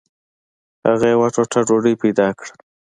هغه یوه ټوټه ډوډۍ پیدا کړه.